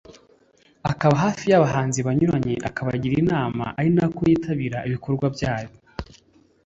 akaba hafi y’abahanzi banyuranye akabagira inama ari nako yitabira ibikorwa byayo